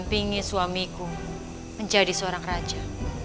dampingi suamiku menjadi seorang raja